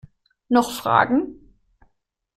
Noch Fragen?